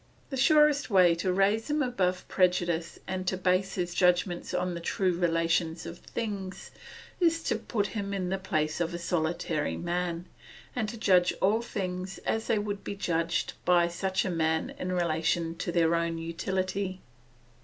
The surest way to raise him above prejudice and to base his judgments on the true relations of things, is to put him in the place of a solitary man, and to judge all things as they would be judged by such a man in relation to their own utility.